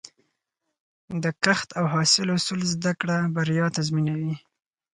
د کښت او حاصل اصول زده کړه، بریا تضمینوي.